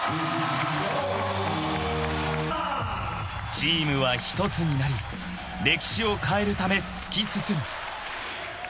［チームは一つになり歴史を変えるため突き進む］